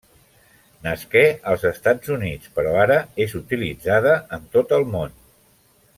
Nasqué als Estats Units, però ara és utilitzada en tot el món.